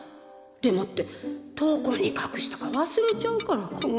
でもってどこに隠したか忘れちゃうから困る。